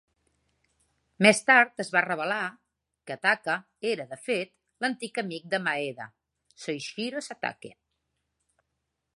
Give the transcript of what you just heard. Més tard es va revelar que Taka era, de fet, l'antic amic de Maeda, Soishiro Satake.